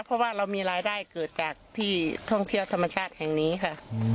เพราะว่าเรามีรายได้เกิดจากที่ท่องเที่ยวธรรมชาติแห่งนี้ค่ะ